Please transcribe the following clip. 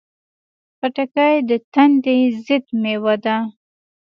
خټکی د تندې ضد مېوه ده.